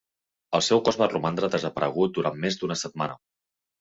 El seu cos va romandre desaparegut durant més d'una setmana.